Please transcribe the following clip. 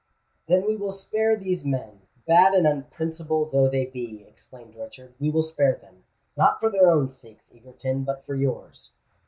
"Then we will spare these men, bad and unprincipled though they be," exclaimed Richard: "we will spare them—not for their own sakes, Egerton—but for yours.